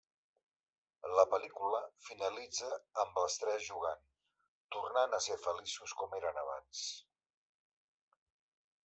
La pel·lícula finalitza amb els tres jugant, tornant a ser feliços com eren abans.